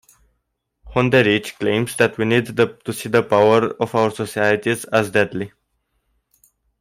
Honderich claims that we need to see the power of our societies as deadly.